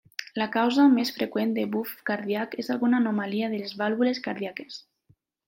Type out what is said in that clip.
La causa més freqüent de buf cardíac és alguna anomalia de les vàlvules cardíaques.